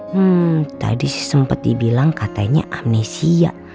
hmm tadi sih sempet dibilang katanya amnesia